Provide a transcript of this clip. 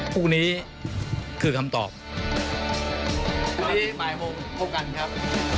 พรุ่งนี้คือคำตอบพรุ่งนี้บ่ายโมงพบกันครับ